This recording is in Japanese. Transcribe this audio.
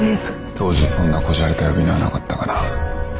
当時そんな小じゃれた呼び名はなかったがな。